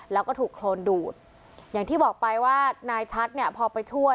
แล้วก็ถูกโครนดูดอย่างที่บอกไปว่านายชัดเนี่ยพอไปช่วย